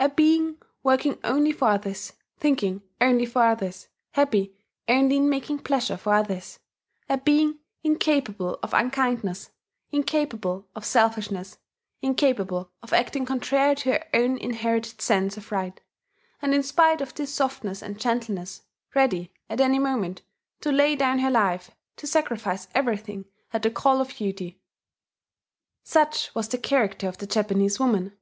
A being working only for others, thinking only for others, happy only in making pleasure for others, a being incapable of unkindness, incapable of selfishness, incapable of acting contrary to her own inherited sense of right, and in spite of this softness and gentleness ready, at any moment, to lay down her life, to sacrifice everything at the call of duty: such was the character of the Japanese woman.